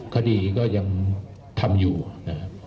คดีก็ยังทำอยู่นะครับ